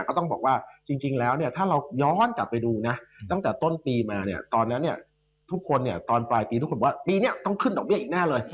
ก็ต้องบอกว่าจริงแล้วถ้าเราย้อนกลับไปดูนะตั้งแต่ต้นปีมาตอนนั้นทุกคนตอนปลายปีทุกคนบอกว่าปีนี้ต้องขึ้นดอกเบี้ยอีกหน้าเลย